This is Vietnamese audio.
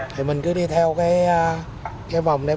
thì mình cứ đi theo cái vòng đường này